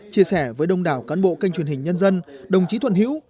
chia sẻ với đông đảo cán bộ kênh truyền hình nhân dân đồng chí thuận hữu